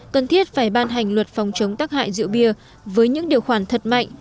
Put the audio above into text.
cần thiết phải ban hành luật phòng chống tác hại rượu bia với những điều khoản thật mạnh